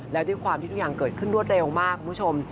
แล้วด้วยความที่ทุกอย่างเกิดขึ้นรวดเร็วมากคุณผู้ชม